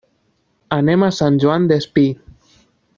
Anem a Sant Joan Despí.